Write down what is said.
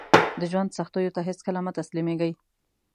د ژوند سختیو ته هیڅکله مه تسلیمیږئ